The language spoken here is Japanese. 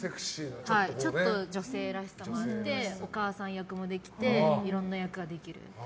ちょっと女性らしさもあってお母さん役もできていろんな役ができる。